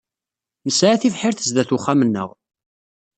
Nesɛa tibḥirt sdat uxxam-nneɣ.